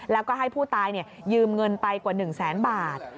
แล้วก็ให้ผู้ตายยืมเงินไปกว่า๑แสนบาท